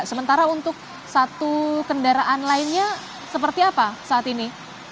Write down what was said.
sementara untuk satu kendaraan lainnya seperti apa saat ini